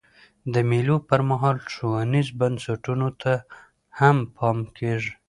د مېلو پر مهال ښوونیزو بنسټونو ته هم پام کېږي.